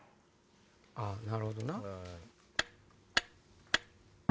あっなるほどな。